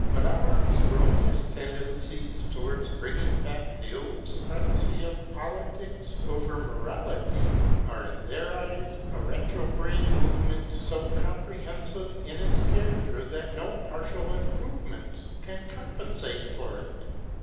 But our erroneous tendencies towards bringing back the old supremacy of Politics over Morality, are, in their eyes, a retrograde movement so comprehensive in its character that no partial improvements can compensate for it.